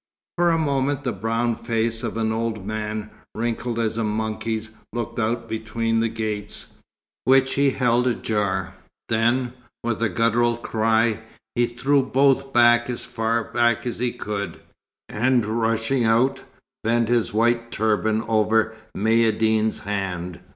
For a moment the brown face of an old man, wrinkled as a monkey's, looked out between the gates, which he held ajar; then, with a guttural cry, he threw both as far back as he could, and rushing out, bent his white turban over Maïeddine's hand.